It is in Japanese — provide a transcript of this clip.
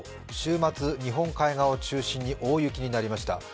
週末、日本海側を中心に大雪になりました。